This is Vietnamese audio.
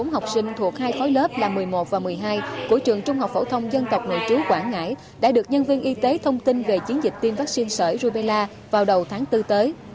ba trăm ba mươi bốn học sinh thuộc hai khối lớp là một mươi một và một mươi hai của trường trung học phổ thông dân tộc nội chú quảng ngãi đã được nhân viên y tế thông tin về chiến dịch tiêm vaccine sở rupela vào đầu tháng bốn tới